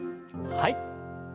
はい。